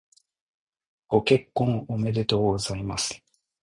ご結婚おめでとうございます。